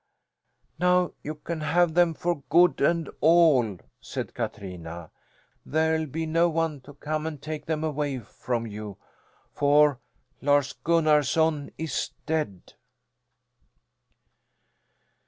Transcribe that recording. "Now you can have them for good and all," said Katrina. "There'll be no one to come and take them away from you, for Lars Gunnarson is dead."